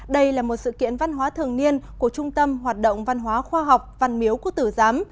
đây là một sự kiện văn hóa thường niên của trung tâm hoạt động văn hóa khoa học văn miếu quốc tử giám